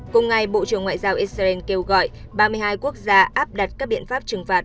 cùng ngày bộ trưởng ngoại giao israel kêu gọi ba mươi hai quốc gia áp đặt các biện pháp trừng phạt